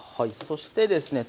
そしてですね